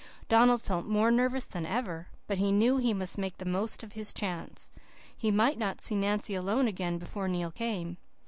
Donald felt more nervous than ever. But he knew he must make the most of his chance. He might not see Nancy alone again before Neil came.